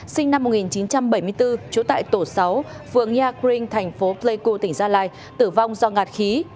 sinh năm một nghìn chín trăm bảy mươi bốn trú tại tổ sáu phường nha crinh thành phố tây cô tỉnh gia lai tử vong do ngạt khí